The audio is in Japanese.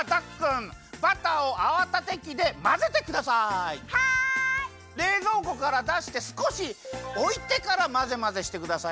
れいぞうこからだしてすこしおいてからまぜまぜしてくださいね。